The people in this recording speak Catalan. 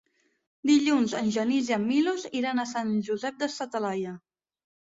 Dilluns en Genís i en Milos iran a Sant Josep de sa Talaia.